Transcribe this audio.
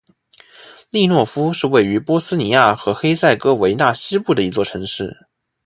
利夫诺是位于波斯尼亚和黑塞哥维纳西部的一座城市。